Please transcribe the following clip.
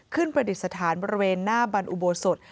ประดิษฐานบริเวณหน้าบรรอุโบสถ